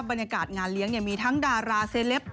บรรยากาศงานเลี้ยงมีทั้งดาราเซลป